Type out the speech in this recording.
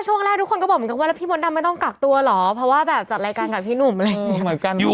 ก็คุณอยู่กับหนุ่มกั้นใจหนุ่มกัน